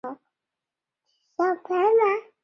雷展鹏实为汪洋大盗。